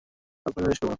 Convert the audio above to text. আপনাকে নিরাশ করব না।